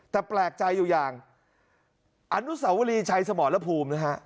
แต่แปลกใจอยู่อย่างอนุสาวรีชัยสมรภูมินะฮะ